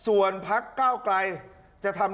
ว่าคันตามร้าย